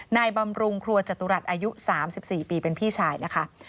บำรุงครัวจตุรัสอายุ๓๔ปีเป็นพี่ชายนะคะ